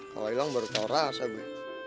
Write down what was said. kalau hilang baru tau rasa gue